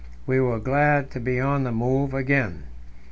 we were glad to be on the move again.